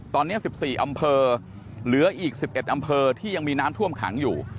ตอนนี้๑๔อำเภอเหลืออีก๑๑อำเภอที่ยังมีน้ำท่วมขังอยู่